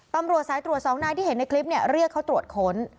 ตำรวจสายตรวจสองนายที่เห็นในคลิปเรียกเขาตรวจค้น